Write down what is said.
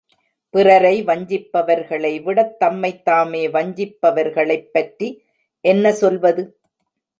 பிறரை வஞ்சிப்பவர்களைவிடத் தம்மைத்தாமே வஞ்சிப்பவர்களைப் பற்றி என்ன சொல்வது?